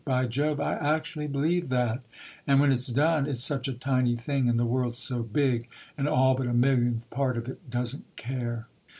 By Jove, I actually believed that!... And when it's done it's such a tiny thing, and the world's so big, and all but a millionth part of it doesn't care."